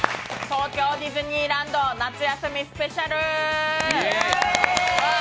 東京ディズニーランド夏休みスペシャル！